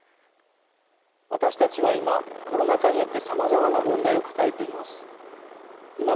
私たちは今コロナ禍によってさまざまな問題を抱えています。